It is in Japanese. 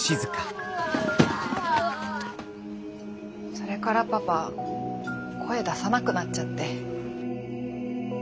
それからパパ声出さなくなっちゃって。